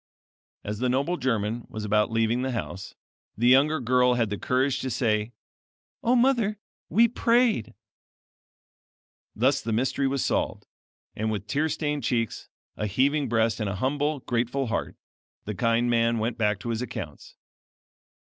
As the noble German was about leaving the house, the younger girl had the courage to say: "O mother, we prayed." Thus the mystery was solved, and with tear stained cheeks, a heaving breast, and a humble, grateful heart, the kind man went back to his accounts.